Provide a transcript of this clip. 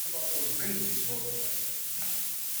What about those rings you told me of?